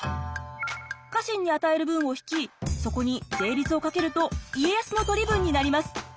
家臣に与える分を引きそこに税率を掛けると家康の取り分になります。